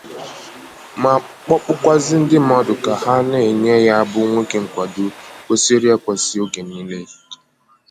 ma kpọkukwazie ndị mmadụ ka ha na-enye ya bụ nwoke nkwàdo kwesiri ekwesi oge niile